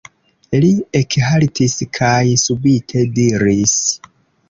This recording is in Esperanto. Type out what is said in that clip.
Li ekhaltis kaj subite diris: